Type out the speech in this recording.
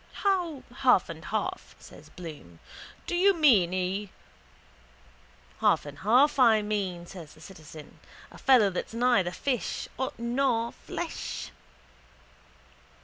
—How half and half? says Bloom. Do you mean he... —Half and half I mean, says the citizen. A fellow that's neither fish nor flesh.